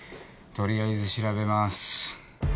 取りあえず調べます。